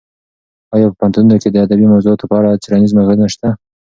ایا په پوهنتونونو کې د ادبي موضوعاتو په اړه څېړنیز مرکزونه شته؟